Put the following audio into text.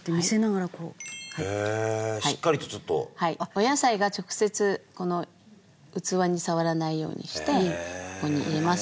お野菜が直接器に触らないようにしてここに入れます。